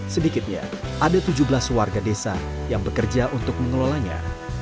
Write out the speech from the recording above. sedikitnya ada tujuh belas warga desa yang bekerja untuk mengelolanya